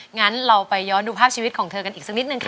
งั้นเราไปย้อนดูภาพชีวิตของเธอกันอีกสักนิดนึงค่ะ